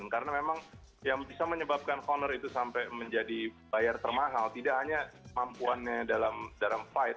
karena memang yang bisa menyebabkan conor itu sampai menjadi bayar termahal tidak hanya kemampuannya dalam fight